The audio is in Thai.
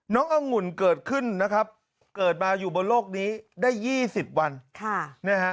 น้องอังวุ่นโดยเกิดขึ้นขึ้นมาอยู่โลกนี้ได้๒๐วัน